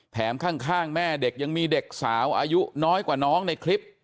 ข้างแม่เด็กยังมีเด็กสาวอายุน้อยกว่าน้องในคลิป